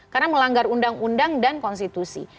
karena melanggar undang undang dan konstitusi